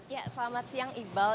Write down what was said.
ya selamat siang iqbal